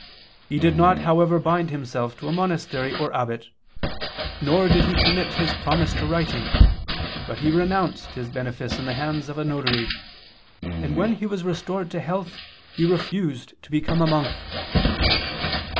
He did not, however, bind himself to a monastery or abbot; nor did he commit his promise to writing, but he renounced his benefice in the hands of a notary; and when he was restored to health he refused to become a monk."